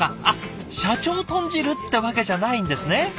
あっ社長豚汁ってわけじゃないんですね。